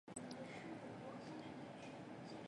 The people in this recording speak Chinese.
伞花獐牙菜为龙胆科獐牙菜属下的一个变种。